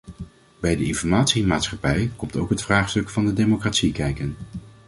Bij de informatiemaatschappij komt ook het vraagstuk van de democratie kijken.